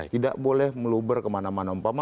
tidak boleh meluber kemana mana umpama